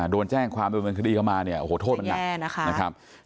โดนแจ้งความเป็นบริเวณคดีเข้ามาโทษมันหนัก